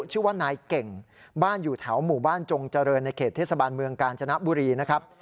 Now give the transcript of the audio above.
ชื่อว่านายเก่งบ้านอยู่แถวหมู่บ้านจงเจริญในเขตเทศบาลเมืองกาญจนบุรีนะครับ